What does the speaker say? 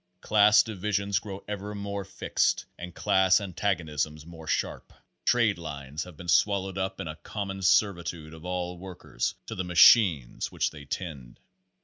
Class divisions grow ever more fixed and class antagonisms more sharp. Trade lines have been swal lowed up in a common servitude of all workers to the machines which they tend.